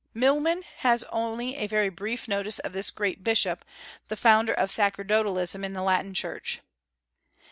Milman has only a very brief notice of this great bishop, the founder of sacerdotalism in the Latin Church.